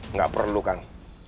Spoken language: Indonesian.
nggak perlu kang